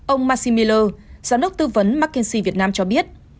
ông maxi miller giám đốc tư vấn mckinsey việt nam cho biết